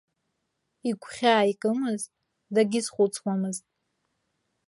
Игәхьаа икымызт, дагьизхәыцуамызт.